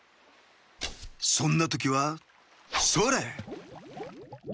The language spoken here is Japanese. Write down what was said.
そんなときはそれ！